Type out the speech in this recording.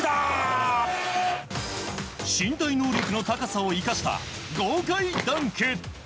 身体能力の高さを生かした豪快ダンク。